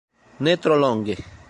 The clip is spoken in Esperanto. Ne tro longe.